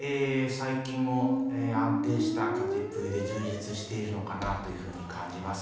最近も安定した勝ちっぷりで充実しているのかなというふうに感じます。